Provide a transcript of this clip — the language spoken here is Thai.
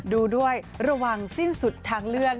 ดูด้วยระวังสิ้นสุดทางเลื่อน